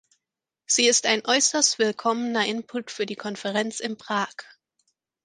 Sie ist ein äußerst willkommener Input für die Konferenz in Prag.